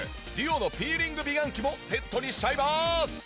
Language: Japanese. ＤＵＯのピーリング美顔器もセットにしちゃいます！